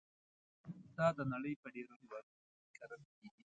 دا د نړۍ په ډېرو هېوادونو کې کرل کېږي.